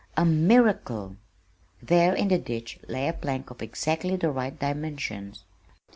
A miracle! There in the ditch lay a plank of exactly the right dimensions.